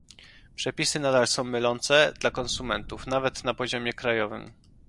Przepisy nadal są mylące dla konsumentów, nawet na poziomie krajowym